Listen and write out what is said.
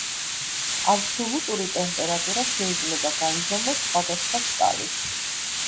აბსოლუტური ტემპერატურა შეიძლება გაიზომოს სხვადასხვა სკალით.